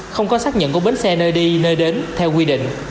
không có xác nhận của bến xe nơi đi nơi đến theo quy định